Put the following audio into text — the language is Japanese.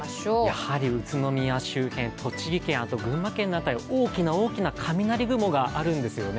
やはり宇都宮周辺、栃木県あと群馬県の辺り大きな大きな雷雲があるんですよね。